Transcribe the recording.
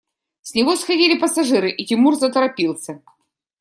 С него сходили пассажиры, и Тимур заторопился.